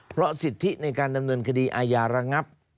เพราะสิทธิในการดำเนินคดีอาญาระงับ